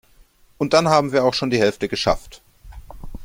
Und dann haben wir auch schon die Hälfte geschafft.